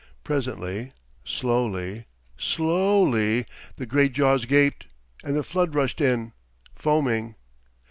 Presently slowly, slowly, the great jaws gaped, and the flood rushed in, foaming.